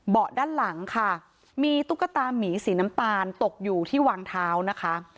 ด้านหลังค่ะมีตุ๊กตามีสีน้ำตาลตกอยู่ที่วางเท้านะคะ